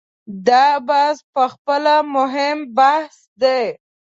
دا بحث په خپله مهم بحث دی.